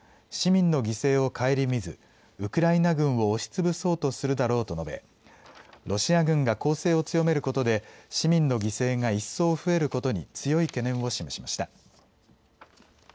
市民の犠牲を顧みずウクライナ軍を押しつぶそうとするだろうと述べ、ロシア軍が攻勢を強めることで市民の犠牲が一層増えることに強い懸念を示しました。